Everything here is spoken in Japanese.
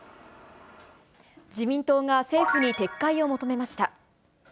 自民党が政府に撤回を求めました。